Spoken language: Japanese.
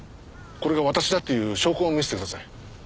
これが私だっていう証拠を見せてください。